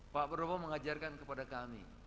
pak prabowo mengajarkan kepada kami